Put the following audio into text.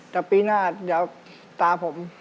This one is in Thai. แต่ปีหน้าเดี๋ยวตาผม